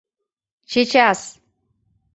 Чечас!